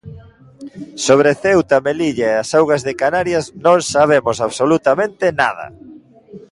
Sobre Ceuta, Melilla e as augas de Canarias non sabemos absolutamente nada.